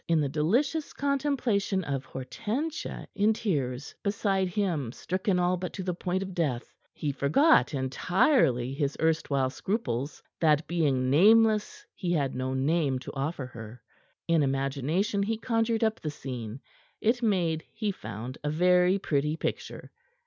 In the delicious contemplation of Hortensia in tears beside him stricken all but to the point of death, he forgot entirely his erstwhile scruples that being nameless he had no name to offer her. In imagination he conjured up the scene. It made, he found, a very pretty picture.